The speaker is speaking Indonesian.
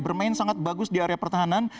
bermain sangat bagus di area pertahanan